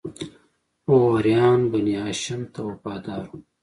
غوریان بنی هاشم ته وفادار وو.